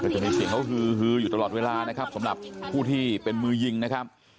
จะมีเสียงเขาฮืออยู่ตลอดเวลานะครับสำหรับผู้ที่เป็นมือยิงนะครับ